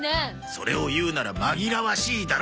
それを言うなら紛らわしいだろ！